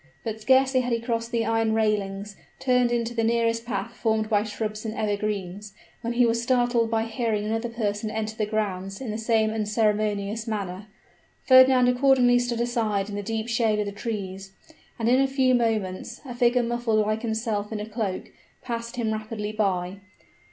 But scarcely had he crossed the iron railings, turned into the nearest path formed by shrubs and evergreens, when he was startled by hearing another person enter the grounds in the same unceremonious manner. Fernand accordingly stood aside in the deep shade of the trees; and in a few moments a figure, muffled like himself in a cloak, passed him rapidly by.